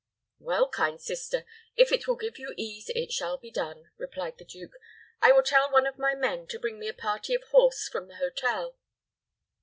"Well, kind sister, if it will give you ease, it shall be done," replied the duke. "I will tell one of my men to bring me a party of horse from the hotel."